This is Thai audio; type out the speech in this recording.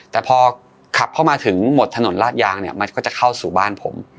แต่พอขับเข้ามาถึงหมดถนนลาดยางเนี่ยมันก็จะเข้าสู่บ้านผม